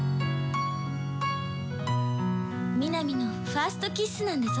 南のファーストキスなんだぞ。